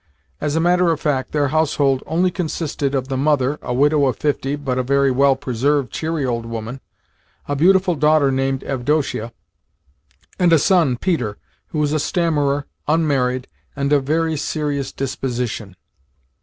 As a matter of fact, their household only consisted of the mother (a widow of fifty, but a very well preserved, cheery old woman), a beautiful daughter named Avdotia, and a son, Peter, who was a stammerer, unmarried, and of very serious disposition.